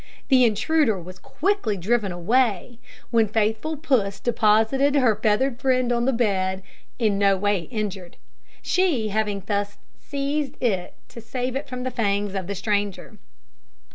The intruder was quickly driven away, when faithful Puss deposited her feathered friend on the bed, in no way injured she having thus seized it to save it from the fangs of the stranger.